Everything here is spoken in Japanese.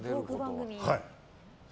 はい。